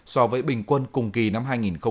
so với bình quân cùng kỳ năm hai nghìn một mươi tám